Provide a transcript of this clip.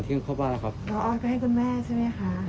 เนี้ยไปกูแม่ใช่ไหมคะ